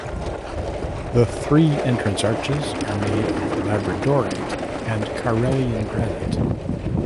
The three entrance arches are made of labradorite and Karelian granite.